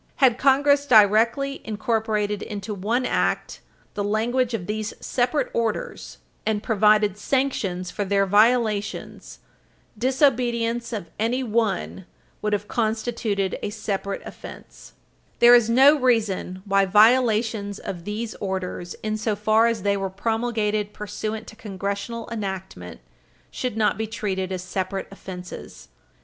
Had Congress directly incorporated into one Act the language of these separate orders, and provided sanctions for their violations, disobedience of any one would have constituted a separate offense. Cf. Blockburger v. United States, 284 U. S. 299, 284 U. S. 304. There is no reason why violations of these orders, insofar as they were promulgated pursuant to Congressional enactment, should not be treated as separate offenses.